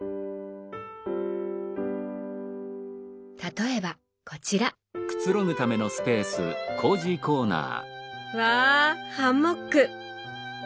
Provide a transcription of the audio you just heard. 例えばこちらわハンモック！